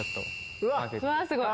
うわすごい。